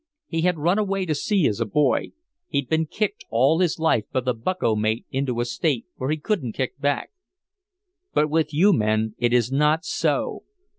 He had run away to sea as a boy, he'd been kicked all his life by the bucko mate into a state where he couldn't kick back. But with you men it is not so.